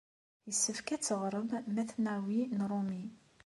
Yessefk ad teɣrem Mathnawi n Rumi.